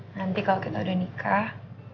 nanti kalau kita udah nikah